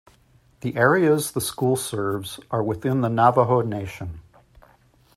The areas the school serves are within the Navajo Nation.